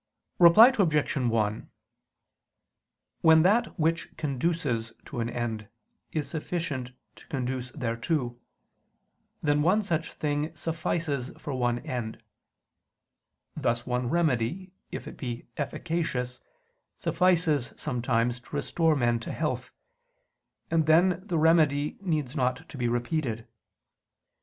Reply Obj. 1: When that which conduces to an end is sufficient to conduce thereto, then one such thing suffices for one end: thus one remedy, if it be efficacious, suffices sometimes to restore men to health, and then the remedy needs not to be repeated.